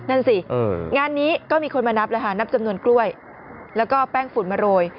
นั่นสิงานนี้ก็มีคนมานับเลยค่ะนับจำนวนกล้วยแล้วก็แป้งฝุ่นมาโรย